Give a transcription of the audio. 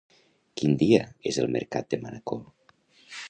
Quin dia és el mercat de Manacor?